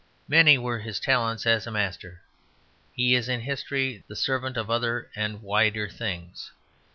Many as were his talents as a master, he is in history the servant of other and wider things.